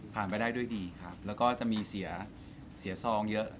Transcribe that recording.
ผ่านไปได้ด้วยดีครับและเเสียซองเยอะ